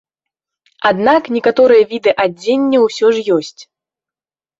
Аднак некаторыя віды адзення ўсё ж ёсць.